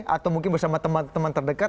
atau mungkin bersama teman teman terdekat